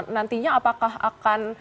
nantinya apakah akan